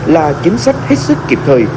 là chính sách hết sức kịp thời